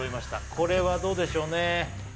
これはどうでしょうね